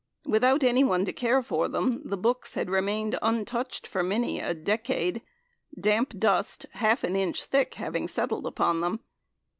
Without anyone to care for them, the books had remained untouched for many a decade damp dust, half an inch thick, having settled upon them!